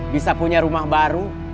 bisa punya rumah baru